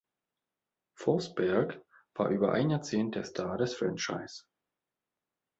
Forsberg war über ein Jahrzehnt der Star des Franchise.